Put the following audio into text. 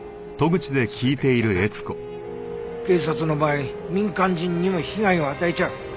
それだけじゃなく警察の場合民間人にも被害を与えちゃう。